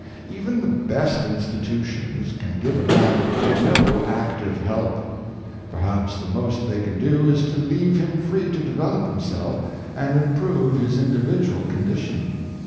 Even the best institutions can give a man no active help. Perhaps the most they can do is to leave him free to develop himself and improve his individual condition.